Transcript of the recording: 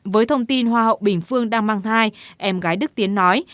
với thông tin hoa hậu bình phương đang mang thai em gái đức tiến nói